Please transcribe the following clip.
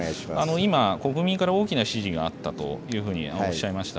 今、国民から大きな支持があったというふうにおっしゃいました。